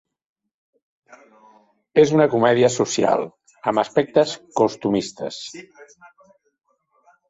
És una comèdia social, amb aspectes costumistes.